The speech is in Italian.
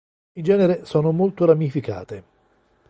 In genere sono molto ramificate.